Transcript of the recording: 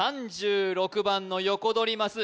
３６番のヨコドリマス